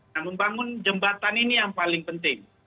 namun bangun jembatan ini yang paling penting